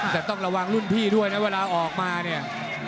แต่ต้องระวังรุ่นพี่ด้วยนะเวลาออกมาเนี่ย